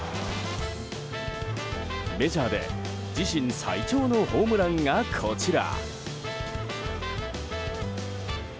メジャーで自身最長のホームランがこちら。